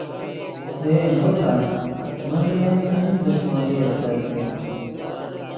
ائے نو تات من لے ین څیمین دݰمونی استت کہ